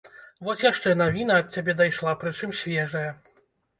Вось яшчэ навіна ад цябе дайшла, прычым свежая.